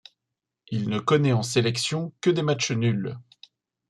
Il ne connaît en sélection que des matchs nuls.